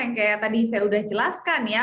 yang kayak tadi saya sudah jelaskan ya